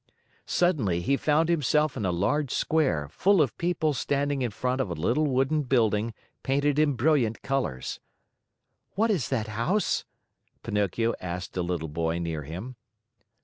Suddenly, he found himself in a large square, full of people standing in front of a little wooden building painted in brilliant colors. "What is that house?" Pinocchio asked a little boy near him.